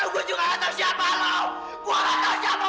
gue nggak tau siapa lo gue juga nggak tau siapa lo